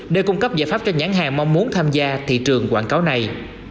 để cung cấp giải pháp cho nhãn hàng mong muốn tham gia thị trường quảng cáo này